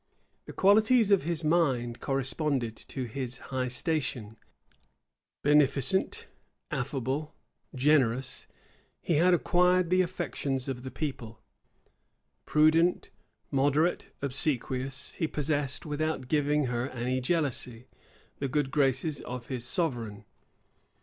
The qualities of his mind corresponded to his high station: beneficent, affable, generous, he had acquired the affections of the people; prudent, moderate, obsequious, he possessed, without giving her any jealousy, the good graces of his sovereign.